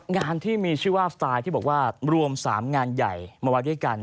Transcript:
งานที่มีชื่อว่าสไตล์ที่บอกว่ารวม๓งานใหญ่มาไว้ด้วยกัน